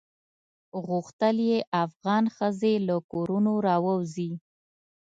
غوښتل یې افغان ښځې له کورونو راووزي.